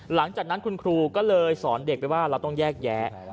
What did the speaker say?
หลังจากนั้นคุณครูก็เลยสอนเด็กไปว่าเราต้องแยกแยะ